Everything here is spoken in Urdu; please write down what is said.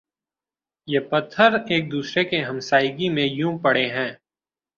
یہ پتھر ایک دوسرے کی ہمسائیگی میں یوں پڑے ہیں